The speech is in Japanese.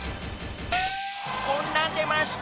こんなん出ました。